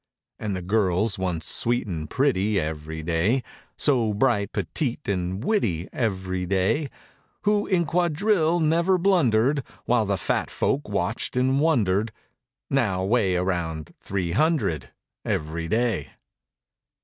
93 And the girls once sweet and pretty Every day; So bright, petite and witty Every day; Who in quadrille never blundered, While the fat folk watched and wondered. Now weigh around three hundred Every day.